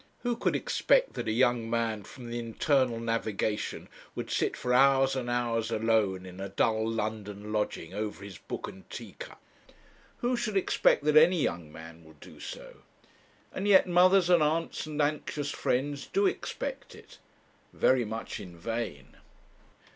Who could expect that a young man from the Internal Navigation would sit for hours and hours alone in a dull London lodging, over his book and tea cup? Who should expect that any young man will do so? And yet mothers, and aunts, and anxious friends, do expect it very much in vain.